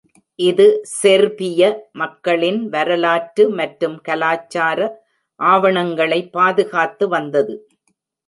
இது செர்பிய மக்களின் வரலாற்று மற்றும் கலாச்சார ஆவணங்களை பாதுகாத்து வந்தது.